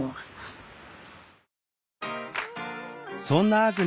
そんなあ